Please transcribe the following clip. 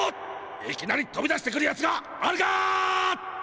いきなりとび出してくるやつがあるか！